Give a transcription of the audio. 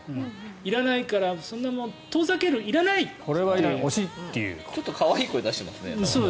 いらないからそんなもん、遠ざけるちょっと可愛い声出してますね。